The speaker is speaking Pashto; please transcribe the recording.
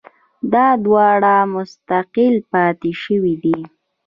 دا دواړه مستقل پاتې شوي دي